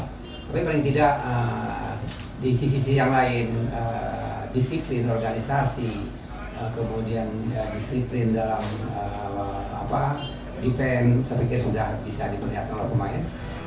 tapi paling tidak di sisi sisi yang lain disiplin organisasi kemudian disiplin dalam event saya pikir sudah bisa diperlihatkan oleh pemain